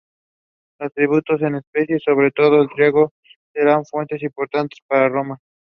From there they managed to travel quickly and unobtrusively up to the Pool.